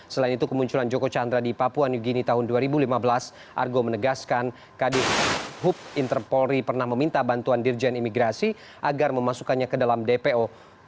selain itu kemunculan joko chandra di papua new guine tahun dua ribu lima belas argo menegaskan kadif hub interpolri pernah meminta bantuan dirjen imigrasi agar memasukkannya ke dalam dpo